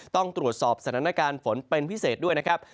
ต้องตรวจสอบสถานการณ์ฝนเป็นพิเศษด้วยนะครับ